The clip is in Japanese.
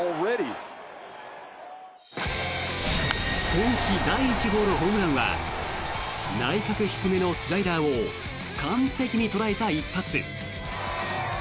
今季第１号のホームランは内角低めのスライダーを完璧に捉えた一発。